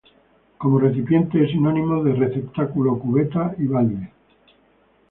Como recipiente es sinónimo de receptáculo, cubeta y balde.